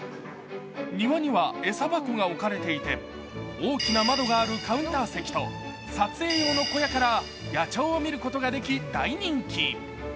庭には餌箱が置かれていて、大きな窓があるカウンター席と撮影用の小屋から野鳥を見ることができ大人気。